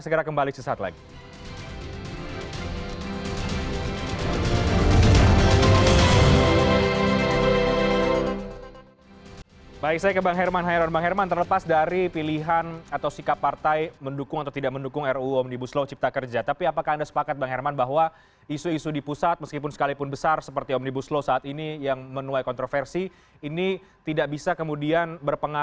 segera kembali sesaat lain